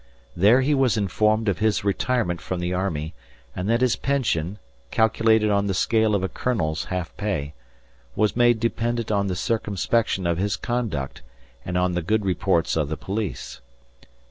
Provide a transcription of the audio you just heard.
There he was informed of his retirement from the army, and that his pension (calculated on the scale of a colonel's half pay) was made dependent on the circumspection of his conduct and on the good reports of the police.